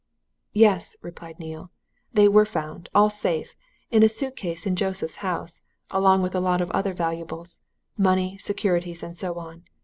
"Yes!" replied Neale. "They were found all safe in a suit case in Joseph's house, along with a lot of other valuables money, securities, and so on.